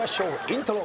イントロ。